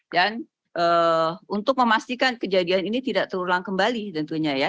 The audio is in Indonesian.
dan untuk memastikan kejadian ini tidak terulang kembali tentunya